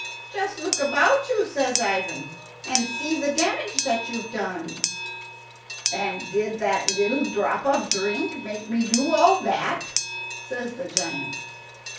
"Just look about you," says Ivan, "and see the damage that you've done." "And did that little drop of drink make me do all that?" says the giant.